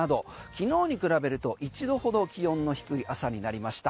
昨日に比べると１度ほど気温の低い朝になりました。